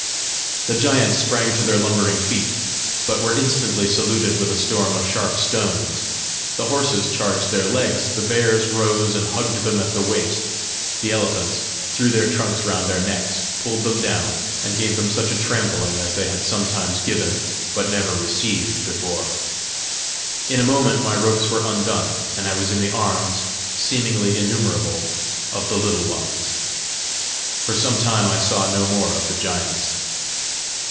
The giants sprang to their lumbering feet, but were instantly saluted with a storm of sharp stones; the horses charged their legs; the bears rose and hugged them at the waist; the elephants threw their trunks round their necks, pulled them down, and gave them such a trampling as they had sometimes given, but never received before. In a moment my ropes were undone, and I was in the arms, seemingly innumerable, of the Little Ones. For some time I saw no more of the giants.